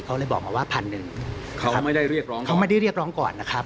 เขาเลยบอกมาว่าพันหนึ่งเขาไม่ได้เรียกร้องก่อนนะครับ